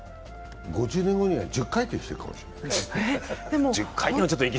５０年後には１０回転してるかもしれない。